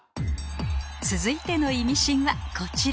続いてのイミシンはこちら